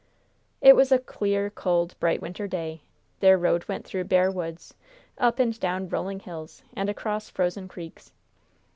It was a clear, cold, bright winter day. Their road went through bare woods, up and down rolling hills, and across frozen creeks.